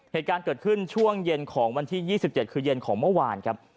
เหตุการณ์เกิดขึ้นช่วงเย็นของวันที่๒๗คือเย็นของเมื่อวานครับ